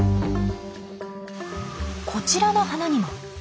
こちらの花にも。